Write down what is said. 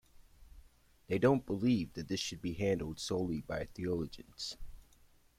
They don't believe that this should be handled solely by theologians.